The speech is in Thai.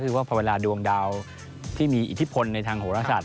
คือว่าพอเวลาดวงดาวที่มีอิทธิพลในทางโหรศาส